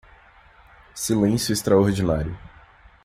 Silêncio extraordinário